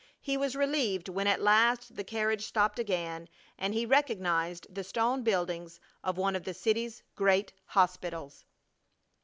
He was relieved when at last the carriage stopped again and he recognized the stone buildings of one of the city's great hospitals.